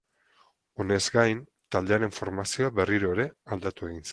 Honez gain, taldearen formazioa berriro ere aldatu egin zen.